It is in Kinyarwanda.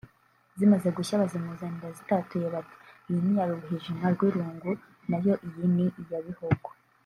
ziamaze gushya bazimuzanira zitatuye bati “Iyi ni iya Ruhwijima (Rwirungu) na yo iyi ni iya Bihogo